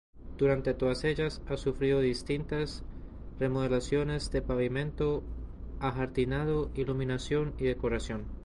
Durante todas ellas ha sufrido distintas remodelaciones de pavimento, ajardinado, iluminación y decoración.